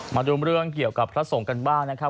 มาดูเรื่องเกี่ยวกับพระสงฆ์กันบ้างนะครับ